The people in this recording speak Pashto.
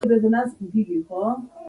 مورچې له خټو جوړې وي.